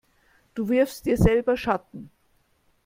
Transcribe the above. Du wirfst dir selber Schatten.